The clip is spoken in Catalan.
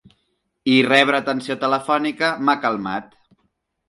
I rebre atenció telefònica m’ha calmat.